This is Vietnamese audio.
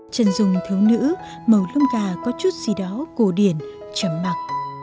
trần dùng thiếu nữ màu lông gà có chút gì đó cổ điển trầm mặc